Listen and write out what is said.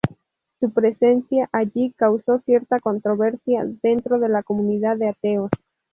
Su presencia allí causó cierta controversia dentro de la comunidad de ateos.